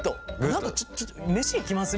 何かちょっと「飯行きます？」